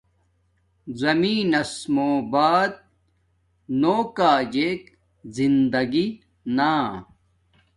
زمین نس مُو بعد نو کاجک زندگی نا